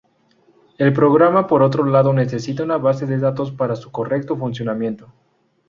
El programa por otro lado necesita una base de datos para su correcto funcionamiento.